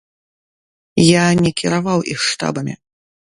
Я не кіраваў іх штабамі.